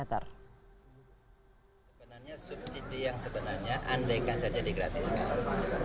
sebenarnya subsidi yang sebenarnya andaikan saja digratiskan